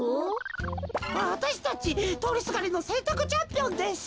わたしたちとおりすがりのせんたくチャンピオンです。